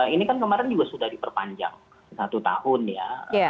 ini kan kemarin juga sudah diperpanjang satu tahun ya